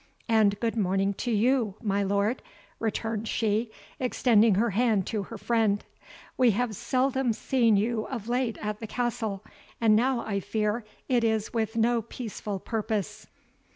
"And good morning to you, my lord," returned she, extending her hand to her friend; "we have seldom seen you of late at the castle, and now I fear it is with no peaceful purpose."